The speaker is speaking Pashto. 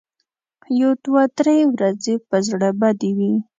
یو دوه درې ورځې به زړه بدې وي.